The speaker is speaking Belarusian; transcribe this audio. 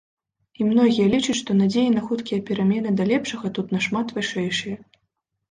І многія лічаць, што надзеі на хуткія перамены да лепшага тут нашмат вышэйшыя.